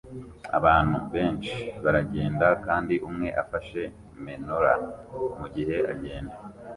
Abantu benshi baragenda kandi umwe afashe menorah mugihe agenda